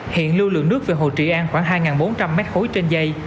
hiện lưu lượng nước về hồ trị an khoảng hai bốn trăm linh mét khối trên dây